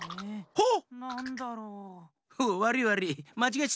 ほっ。